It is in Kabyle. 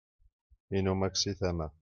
inumak si tama